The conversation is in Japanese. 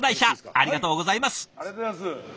ありがとうございます！